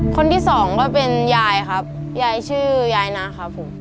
คนที่สองก็เป็นยายครับยายชื่อยายนะครับผม